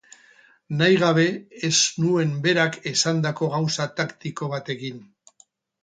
Nahi gabe ez nuen berak esandako gauza taktiko bat egin.